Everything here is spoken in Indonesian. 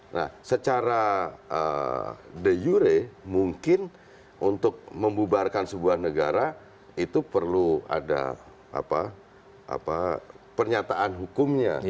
nah secara de jure mungkin untuk membubarkan sebuah negara itu perlu ada pernyataan hukumnya